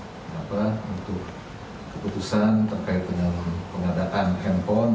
dan untuk keputusan terkait dengan pengadakan handphone